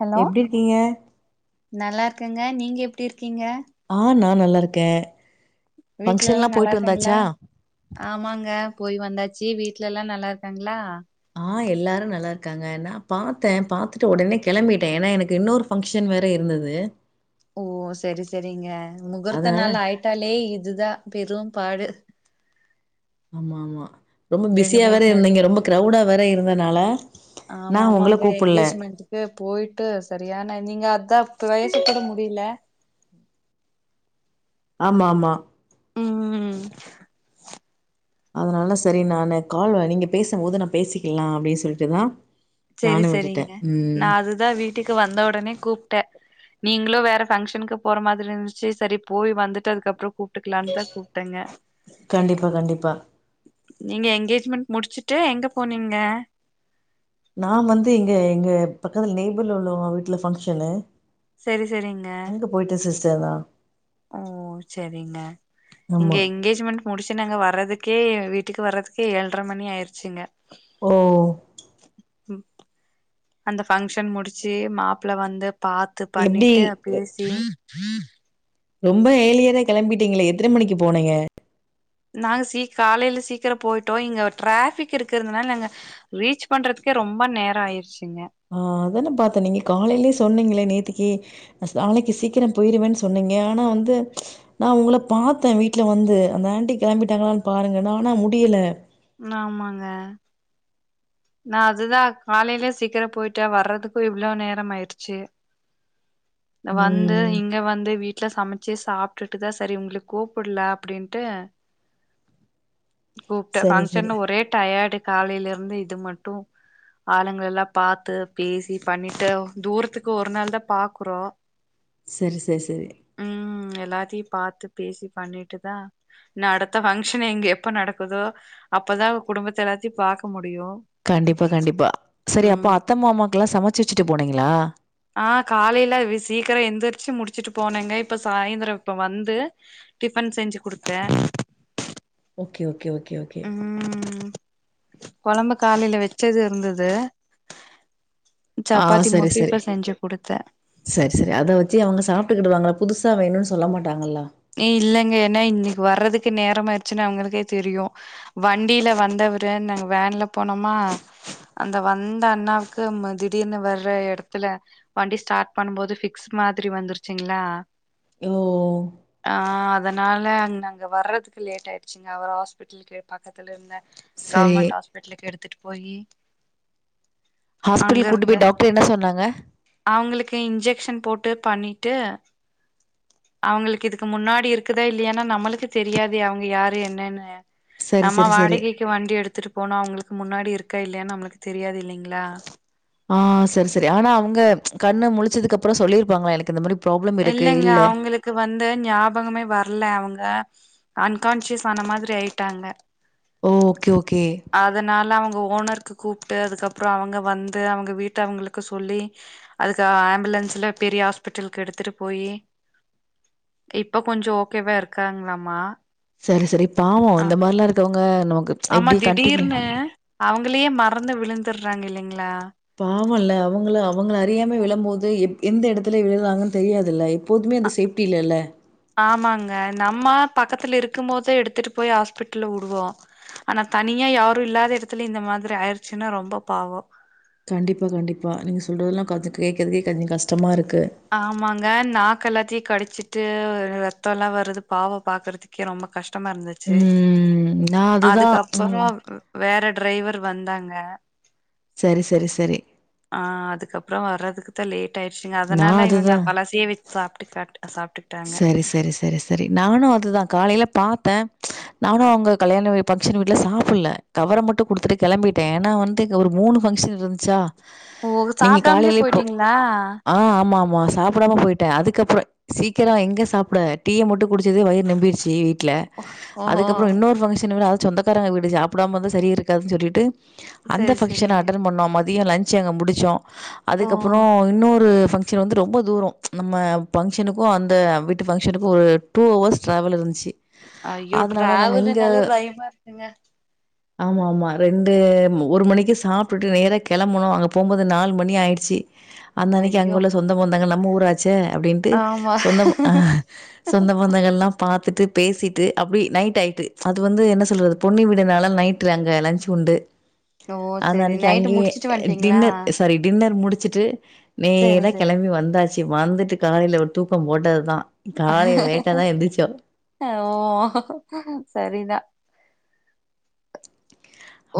Hello எப்டி இருக்கீங்க நல்லா இருக்கேங்க நீங்க எப்டி இருக்கீங்க ஆஹ் நா நல்லா இருக்கேன் வீட்ல எல்லாம் நல்லா இருக்காங்கள ஆமாங்க போயி வந்தாச்சு வீட்ல எல்லாம் நல்லா இருக்காங்களா ஆஹ் எல்லாரும் நல்லா இருக்காங்க நா பாத்தேன் பாத்துட்டு உடனே கிளம்பிட்டேன் ஏன்னா எனக்கு இன்னொரு ஃபங்க்ஷன் வேற இரு ந்தது ஓ சேரி சேரிங்க முகூர்த்த அதனால நாள் ஆயிட்டாலே இதுதான் பெரும் பாடு ஆமா ஆமா ரொம்ப ரெண்டு பிஸியா வேற மூணு இருந்தீங்க எடத்துல ரொம்ப க்ரௌடா வேற இருந்தனால நா ஆமா உங்கள ஆமாங்க கூப்புட்ல என்ங்கேஜ்மெண்டுக்கு போயிட்டு சரியான நீங்க அதான் பேச கூட முடிய அப்டியில்ல ஆமா ஆமா உம் அதனால சரி நான் கால்வலிங்க பேசும்போது நா பேசிக்கலாம் அப்படின்னு சொல்லிட்டுதான் சேரி சேரிங்க நா அதுதான் வீட்டுக்கு வந்த உடனே கூப்ட்டே நீங்களும் வேற பங்க்ஷனுக்கு போற மாதிரி இருந்துச்சு சரி போய் வந்துட்டு அதுக்கப்புறம் கூப் கூப்ட்டுக்கலான்தான் கூப்ட்டேங்க கண்டிப்பா கண்டிப்பா நீங்க என்ங்கேஜ்மென்ட் முடிச்சுட்டு எங்க போனீங்க நான் வந்து இங்க எங்க பக்கத்துல நேய்பல் உள்ளவுங்க வீட்டுல பங்க்ஷன்னு சரி சரிங்க செர்தா ஓ சேரிங்க இங்க ஆமா என்ங்கேஜ்மெண்ட் முடிச்சு நாங்க வர்றதிக் கே வீட்டுக்கு வர்றதுக்கே ஏழ்ர மணி ஆயிருச்சிங்க ஓ ம் அந்த ஃபங்க்ஷன் முடிச்சி மாப்ள்ள வந்துப் பாத்து எப்டி பண்ணிட்டு அ பேசி ரொம்ப ஏலியரா கெளம்பிட்டீங்களே எத்தன மணிக்கு போனிங்க நாங்க சி காலேல சீக்கிரம் போயிட்டோ இங்க ட்ராபிக் இருக்குறதுனால நாங்க ரீச் பன்றது கே ரொம்ப நேரம் ஆயிருச்சிங்க ஆ அதானே பாத்த நீங்க காலேயிலே சொன்னீங்களே நேத்துக்கி நாளைக்கு சீக்கிரம் போயிருவே சொன்னி இங்க ஆனா வந்து நா உங்கள பாத்த வீட்ல வந்து அந்த ஆன்ட்டி கிளம்பிட்டாங்களான் பாருங்க நா ஆனா முடியல ஆமாங்க நா அதுதா காலேல சீக்கரோ போயிட்ட வர்றதுக்கும் இவ்ளோ நேரம் ஆயிச்சு வந்து ம் இங்க வந்து வீட்ல சமைச்சு சாப்டுட்டு தா சரி உங்களுக் கூப்பிடுல அப்டின்டு கூப்ட சரி சரி பங்ஷன் ஒரே டயர்டு காலேயில இருந்து இது மட்டு ஆளுங்க எல்லா பாத்து பேசி பண்ணிட்டு தூரத்துக்கு ஒரு நாள் தா பாக்குறோ செரி செரி செரி டி பாத்து பேசி பண்ணிட்டுதா அடுத்த பங்கஷன் இங்க எப்ப நடக்குதோ அப்தா குடும்பத்த எல்லத்தையு பாக்க முடியு கண்டிப்பா கண்டிப்பா செரி அப்ப ம் அத்த மாமாக்கு எல்லா சமைச்சி வச்சிட்டு போனிங்களா ஆ காலைல சீக்கர எந்திரிச்சி முடிச்சிட்டு போனேங்க இப்ப சாய்ந்தரம் இப்ப வந்து டிஃபன் செஞ்சி குடுத்த ஓகே ஓகே ஓகே ஓகே கொழம்பு காலேல வச்சது இருந்தது ஆ சப்பாத்தி சரி மட்டு சரி இப்ப செஞ்சு குடுத்தே சரி சரி அத வச்சி அவங்க சாப்டுக்கிடுறாங்கப் புதுசா வேணுன் சொல்ல மாட்டாகல்லா இல்லங்க ஏன்னா இன்னைக்கு வர்றதுக்கு நேரம் ஆயிச்சின்னு அவங்களுக்கே தெரியு வண்டியில வந்த அவரு நாங்க வேன்ல போனோமா அந்த வந்த அண்ணாவுக்கு திடீர்னு வர்ற இட த்துல வண்டி ஸ்டாட் பண்ணும் போது பிக்ஸ் மாதிரி வந்துருச்சிங்ளா ஓ ஆ அதனால அங்க அங்க வர்றதுக்கு லேட் ஆயிருச்சிங்க அவர் ஹாஸ்பிட்டலுகே பக்கத்துல இருந்த சரி கவர்மெண்ட் ஹாஸ்பிட்டலுக்கு எடுத்துட்டு போயி அங்க ஹாஸ்பிட்டல் கூட்டு இருந்து போய் டாக்டர் என்ன சொன்னாக கே இன்ஜெக்ஷன் போட்டு பண்ணிட்டு அவங்ளிக் இதுக்கு முன்னாடி இருக்குதா இல்லையன்னா நம்மளுக்கு தெரியாது அவங்க யாரு என்னன்னு சரி நம்ம சரி சரி. வாடகைக்கு வண்டி எடுத்துட்டு போனோ அவங்ளுக் முன்னாடி இருக்கா இல்லையன் நம்மளுக்கு தெரியாது இல்லைங்ளா ஆ சரி சரி ஆனா அவுங்க கண்ணு முழிச்சதுக்கு அப்றோ சொல்லியிருப்பாங்ளா எனக்கு இந்த மாறிப் இல்லங்க அவுங்களுக்கு வந்து ஞாபகமே வர்ல அவங்க அன்கான்சியஸ் ஆன மாரி ஆயிட்டாங்க ஓ ஓகே ஓகே. அதனால அவங்க ஓனர் க்கு கூப்டு அதுக்கப்றோ அவங்க வந்து அவங்க வீட்ட அவங்களுக்கு சொல்லி அதுக்கு ஆம்புலன்ஸ்ல பெரிய ஹாஸ்பிட்டல் கெடுத்துட்டு போயி இப்ப கொஞ்சோ ஓகேவா இருக்காங்ளாமா சரி சரி பாவோ இந்த மாரிலா இருக்கவங்க நமக்கு ஆமா எப்டி கண்டினியூ திடீர்னு அவங்களயே மறந்து விழுந்துறாங்க இல்லைங்ளா பாவோல்ல அவங்கள அவங்கள அறியாம விழம்போது எம் எந்த இடத்துல விழுறாங்கன்னு தெரியாதுல்ல எப்போதும் அந்த சேப்டி இல்லல்ல ஆமாங்க நம்ம பக்கத்துல இருக்கும் போதே எடுத்துட்டு போய் ஹாஸ்பிட்டல்ல விடுவோ ஆனா தனியா யாரும் இல்லாத இடத்துல இந்த மாதிரி ஆயிடுச்சுன்னா ரொம்ப பாவோ கண்டிப்பா கண்டிப்பா நீங்க சொல்றதெல்லா கொஞ்ச கேட்கறதுக்கே கொஞ்சோ கஷ்டமா இருக்கு ஆமாங்க நா க்க எல்லாத்தையு கடிச்சிட்டு ரத்தோ எல்லா வர்றது பாவோ பாக்குறதுக்கே ரொம்ப கஷ்டமா இருந்துச்சு ம் நான் அதுதான் அதுக்கப்பறோ ம் வேற டிரைவர் வந்தாங்க சரி சரி சரி ஆ அதுக்கப்றோ வர்றதுக்கு தா லேட் ஆயிடுச்சுங்க நான் அதனால இவங்க அதுதான் பழசையே வச்சு சாப்டுக்காட்டு சாப்டுட்டாங்க நானு அது தா காலையில பாத்த நானு அவுங்க கல்யாண வீ பங்கஷன் வீட்ல சாப்ல கவர மட்டு குடுத்துட்டு கிளம்பிட்டே ஏனா வந்து ஒரு மூணு பங்க்ஷன் இருந்துச்சா ஓ நீங்க சாப்டாமலே காலையிலே போ போயிட்டீங்களா ஆ ஆமா ஆமா சாப் டாம போயிட்டே அதுக்கப்புற சீக்கிர எங்க சாப்ட டீய மட்டு குடிச்சதே வயிறு நெம்பிடுச்சு வீட்ல ஓ அதுக்கப்புற இன்னொரு பங்க்ஷன் விட அ சொந்தக்காரக வீடு சாப்பிடாம வந்தா சரி இருக்காதுனு சொல்லிட்டு அந்த செரி பங்ஷன செரிங்க அட்டன் பண்னோ மா தியோ லன்ச் அங்க முடிச்சோ ஓ அதுக்கப்புறோ இன்னொரு பங்க்ஷன் வந்து ரொம்ப தூரோ நம்ம ஃபங்க்ஷனுக் ஒ அந்த வீட்டு பங்க்ஷனுக்கு ஒரு டூ ஹவர்ஸ் டிராவல் இருந்துச்சு அய்யோ அதனால நாங்க இங்க டிராவலுனாலே பயமா இருக்குங்க ஆமா ஆமா ரெண்டு ஒரு மணிக்கு சாப்பிட்டு நேரா கெளம்புனோ அங்க போகுபோது நாலு மணி ஆயிடுச்சு அந்த அன்னைக்கு அங்க ஐயோ உள்ள சொந்தம் பந்தங்க நம்ம ஊராச்சே அப்டின்ட்டு ஆமா சொந்தம் அ சொந்த பந்தங்கள் எல்லா பாத் த்துட்டு பேசிட்டு அப்டி நைட் ஆயிட்டு அது வந்து என்ன சொல்றது பொன்னி வீடுனால நைட் அங்க லஞ்சு உண்டு ஓ ஆந்த செரி அன்னைக்கி நைட்டு அங்கேயே முடிச்சுட்டு வந்ட்டீங்களா டின்னர் சாரி டின்னர் முடிச் ச்சுட்டு செரி நேரா செரி கிளம்பி வந்தாச்சு வந்துட்டு காலையில ஒரு தூக்கம் போட்டதுதா ஓ சரிதா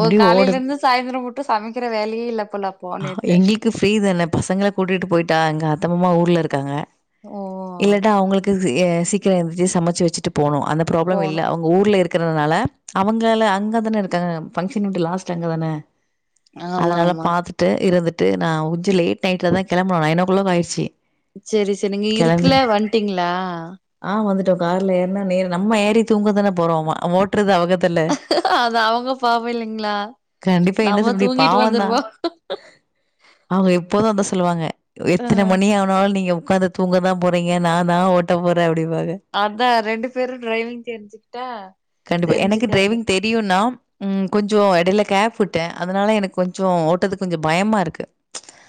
ஓ காலையில ஓடுது. இருந்து சாயந்திர மட்டு சமைக்கிற வேலையே இல்ல போல அப்போ நேத்து எங்களுக்குஃப்ரீ தானே பசங்கள கூட்டிட்டு போயிட்டா எங்க அத்த மாமா ஊர்ல இருக்காங்க ஓ இல்லட்டா அவுங்களுக்கு எ சீக்கிர எந்துச்சு சமச்சு வச்சுட்டு போனும் அந்த ப்ராப்ளம் போனு இல்ல அவுங்க ஊர்ல இருக் க்குறனால அவுங்கள அங்கதானே இருக்காங்க பங்க்ஷன் வீடு லாஸ்ட் அங்க தானே ஆமா அதனால ஆமா பார்த்துட்டு, இருந்துட்டு நா உஜ்ஜு லேட் நைட்டில தான கிளம்புனோ நயன் ஒ க்ளாக் ஆயிடுச்சு சேரி சேரி நீங்க இருக்குல கிளம்பி வந்ட்டீங்ளா ஆ வந்துட்டோம். கார்ல ஏற்னா நே நம்ம ஏறி தூங்கதானே போறோ ஆமா வோட்றது அவுக அதா அவுங்க பாவ இல்லிங்ளா கண்டிப்பா என்ன சொல் முடியு பாவந்தா அவுங்க எப்போது அதா சொல்லுவாங்க ஆ எத்தன மணி ஆனால் நீங்க ஒக்காந்து தூங்க தா போறீங்க நா தா ஓட்ட போறே அப்டி அதா ரெண்டு பேரும் டிரைவிங் தெரிஞ்சுக்கிட்டா கண்டிப்பா எனக்கு தெரிஞ்சுக்காது டிரைவிங் தெரியுனா ம் கொஞ்சசோ இடயில கேப் விட்டே அதனால எனக்கு கொஞ்சோ ஓட்டதுக்கு கொஞ்சோ பயமா இருக்கு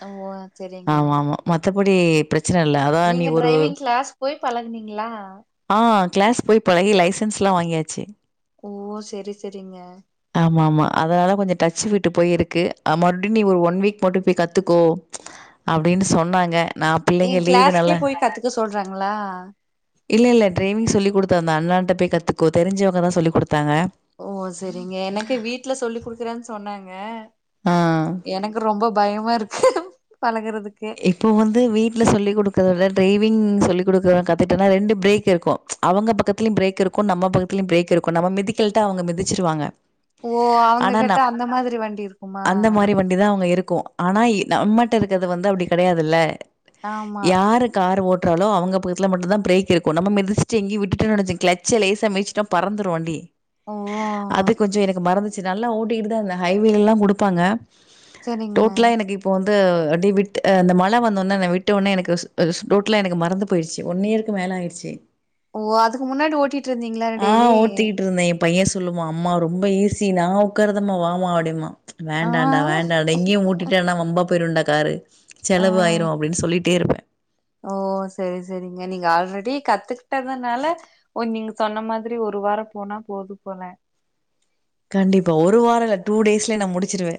ஓ சேரிங்க புடி பிரச்சன இல்ல அதா நீ ஒரு கிளாஸ் போய் பழகுனீங்களா ஆ கிளாஸ் போய் பழகி லைசன்ஸ்லா வாங்கியாச்சு ஓ சேரி சேரிங்க ஆமாமா. அதனால கொஞ்ச டச்சு விட்டு போயிருக்கு அ மறுபடி நீ ஒரு ஒன் வீக் மட்டு போய் கத்துக்கோ அப்டின் னு சொன்னாங்க நா ஏ பிள்ளைங்க லீவு நாள கிளாஸ்க்கே போய் கத்துக்க சொல்றாங்களா இல்ல இல்ல டிரைவிங் சொல்லி கொடுத்து து அந்த அண்ணாட்ட போய் கத்துக்கோ தெரிஞ்சவங்க தா சொல்லி குடுத்தாங்க ஓ சேரிங்க எனக்கு வீட்டல சொல்லி குடுக்குறேன்னு சொன்னாங்க ஆ. எனக்கு ரொம்ப பயமா இருக்கு பழகுறதுக்கு இப்போ வந்து வீட்ல சொல்லி் கொடுக்கறத ட்ரைவ் விங் சொல்லி கொடுக்கற கத்துட்டனா ரெண்டு பிரேக் இருக்கு அவங்க பக்கத்துலயு பிரேக் இருக்கு நம்ம பக்கத்துலயு பிரேக் இருக்கு நம் வ மிதிக்கலட்டா அவங்க மிதிச்சிருவாங்க ஓ அவங்க ஆனா நா கிட்ட அந்த மாதிரி வண்டி இருக்குமா அந்த மாரி வண்டி தா அங்க இருக்கு ஆனா இ நம்மட்ட இருக்கிறது வந்து அப்டி கிடையாதுல ஆமா யாரு கார் ஓட் ராலோ அவுங்க பக்கத்தில மட்டு்தா பிரேக் இருக்கு நம்ம மிதிச்சிட்டு எங்கே விட்டுட் டோனு கிளச்ச லேசா மிதிச்சிடோ பறந்துரு வண்டி ஓ அது கொஞ்சோ எனக்கு மறந்துச் சு நல்லா ஓட்டிகிட்டு தா இருந்தே ஹைவேலல்லா குடுப்பாங்க செரிங்க இது அட் டு விட்டு அ அந்த மழ வந்தோன்னே நா விட்டோன்னே எனக்கு ஸ் அ ஸ் ரோட்ல எனக்கு மறந்து போயிடுச்சு ஒன் இயருக்கு மேல ஆயிடுச்சு ஓ அதுக்கு முன்னாடி ஓட்டிட்ருந்தீங்ளா டெய்லி பையே சொல்லுவா அம்மா ரொம்போ ஈஸி நா உக்காருதம்மா வாம்மா அப்டிம்பா ஆ வேண்டாண்டா வேண்டாண்டா இங்கேயு ஓட்டிட்டேனா வம்பா போயிருண்டா காரு ஆ செலவு ஆயிரு அப்டின் சொல்லிட்டே இருப்பே ஓ செரி செரிங்க நீங்க ஆல்ரெடி கத்துக்கிட்டதுனால ஓ நீங்க சொன்ன மாதிரி ஒ ரு வாரோ போனா போது போல கண்டிப்பா ஒரு வாரல்ல டூ டேஸ்லயே நா முடிச்சிருவே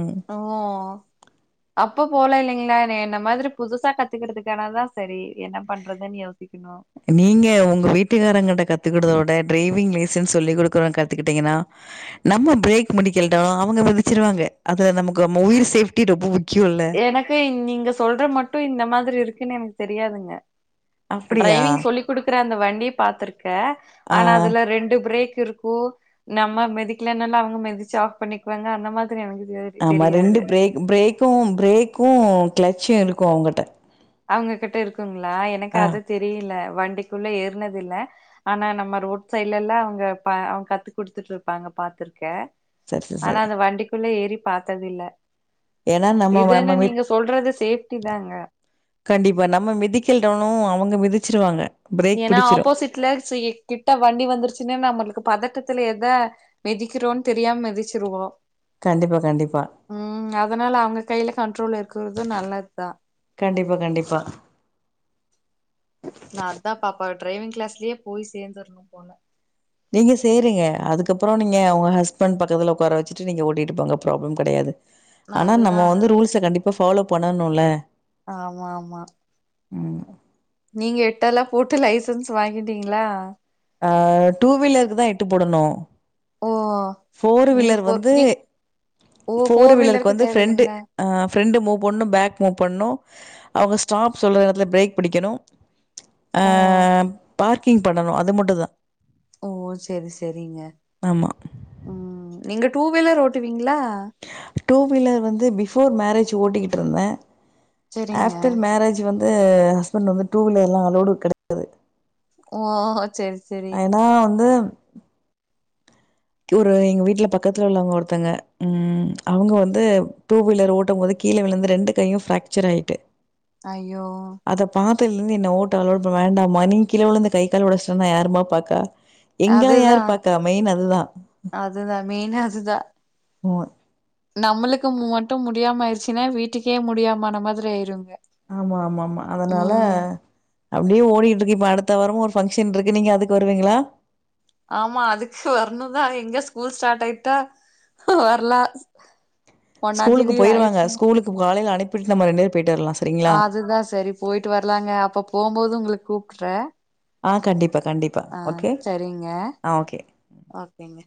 ம் ஓ அப்போ போலல்லைங்ளா என்ன மாதிரி புதுசா கத்துக்கறதுக்கானதா சரி என்ன பண்றதுன்னு யோசிக்கணு நீங்க உங்க வீட்டுக்காரங்கிட்ட கத்துக்கடதவுட டிரைவிங் லைசன்ஸ் சொல்லி குடுறோங் கத்துக்கிட்டீங்கன்னா நம்ம பிரேக் மிடிகல்ட்டு அவுங்க மிதிச்சிருவாங்க அதுல நமக்கு நம்ம உயிர் சேஃப்டி ரொம்போ முக் எனக்கு நீங்க சொல்ற மட்டு இந்த மாதிரி இருக்குன் எனக்கு தெரியாதுங்க அப்படியா? ட்ரைவிங் சொல்லி் குடுக்கற அந்த வண்டிய பாத்திருக்கே ஆ ஆனா அதுல ரெண்டு பிரேக் இருக்கு நம்ம மெதிக்கலனாலு அவ்ங்க மெதிச்சு ஆஃப் பண்ணிக்குவாங்க அந்த மாத் ஆமா ரெண்டு பிரேக் பிரேக்கும் பிரேக்கு ஃக்ளச்சு இருக்கு அவ்ங்கள்ட்ட அவுங்ககிட்ட இருக்குங்ளா எனக்கு அது தெரியில வண்டிக்குள்ள ஏர்னதில்ல ஆனா நம்ம ரோட் சைட்லெல்லா அவுங்க ப அவுங் கத்து குடுத்துட்ருப்பாங்க பாத்திருக்கே சரி சரி ஆனா சரி. அந்த வண்டிக்குள்ள ஏறி பாத்ததில்ல ஏன்னா நம்ம நம்ம இதுன்னா மி நீங்க சொல்றது சேஃப்டி தாங்க கண்டிப்பா நம்ம மிதிக்கல்டானு அவுங்க மிதிச்சிருவாங்க பிரேக் ஏனா பிடிச்சிரும். ஆப்போசிட்ல சி கிட்ட வண்டி வந்துருச்சுன்னே நம்மளுக் கு பதட்டத்துல எத மெதிக்குறோன் தெரியாம மிதிச்சிருவோ கண்டிப்பா கண்டிப்பா. ம் அதனால அவுங்க கையில கண்ட்ரோல் இருக்கறது நல்லத் தா கண்டிப்பா கண்டிப்பா நா அத்தா பாப்பா டிரைவிங் க்ளாஸ்லயே போய் சேந்தர்ணு போல நீங்க செய்றீங்க அதுக்கப்புறோ நீங்க உங்க ஹஸ்பண்ட் பக்கத்துல உக்கார வச்சிட்டு நீங்க ஓட்டிட்டு போங்க ப்ராப்ளம் கெடையாது நா ஆனா அதுதா நம்ம வந்து ரூல்ஸ கண்டிப்பா ஃபாலோ பண்ணணுல்ல ஆமா ஆமா ம் நீங்க எட்டல்லா போட்டு லைசன்ஸ் வாங்கிட்டீங்ளா ஆ டூ வீலருக்கு தா எட்டு போடணு ஓ ஃபோர் நீங்க வீலர் ஃபோர் வந்து நீங் ஃபோர் வீலருக்கு வந்து ஃப்ரெண்டு அ ஃப்ரெண்டு மூவ் பண்ணு பேக் மூவ் பண்ணு அவுங்க ஸ்டாப் சொல்ற எடத்துல பிரேக் பிடிக்கணு அ ஓ பார்க்கிங் பண்ணணு அது மட்டு தா ஓ செரி செரிங்க ஆமா. ம் நீங்க டூ வீலர் ஓட்டுவீங் டூ வீலர் வந்து பிபோர் மேரேஜ் ஓட்டிக்கிட்டுருந்தே செரிங்க ஆப்டர் மேரேஜ் வந்து ஹஸ்பண்ட் வந்து டூ வீலர் எல்லா அளோடு கெடைக்குது ஓ செரி செரி ஏனா வந்து ஒரு எங்க வீட்ல பக்கத்துல உள்ளவங்க ஒருத்தங்க ம் அவுங்க வந்து டூ வீலர் ஓட்டு போது கீழ விழுந்து ரெண்டு கையு ஃப்ராக்சர் ஆயிட்டு அய்யோ அத்லருந்து என்ன ஓட்ட அலோட் பண்ண வேண்டாம்மா நீ கிழவுழுந்து கை கால் உடச்சிட்டு வந்தா யாருமா பாக்கா எங்கா அதுதா யார் பாக்கா மெயின் அதுதா அதுதா மெயினா அதுதா ம் நம்மளுக்கு மட்டு முடியாம ஆயிடுச்சின்னா வீட்டுக்கே முடியாமமான மாரி ஆயிருங்க ம் அப்படியே ஓடிட்டு இருக்கு இப்ப அடுத்த வாரம் ஒரு ஃபங்க்ஷன் இருக்கு நீங்க அதுக்கு வருவீங்களா ஆமா அதுக்கு வரணுதா எங்க ஸ்கூல் ஸ்டார்ட் ஆயிட்டா வர்லா ஸ்கூலுக்கு போயிடுவாங்க ஸ்கூலு காலைல அனுப்பிட்டு நம்ம ரண்டு அதுதா சரி போய்ட்டு வரலாங்க அப்ப போம்போது உங்களுக் கூப்ட்ற ஆ கண்டிப்பா, கண்டிப்பா. ஆ ஓகே. சரிங்க ஆ ஓகே. ஓகேங்க